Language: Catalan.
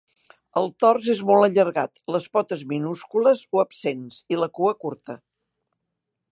El tors és molt allargat, les potes minúscules o absents, i la cua curta.